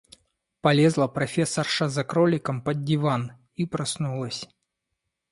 Полезла профессорша за кроликом под диван и проснулась.